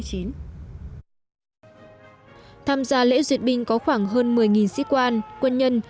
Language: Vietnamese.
tham gia lễ duyệt binh có khoảng hơn một mươi sĩ quan quân nhân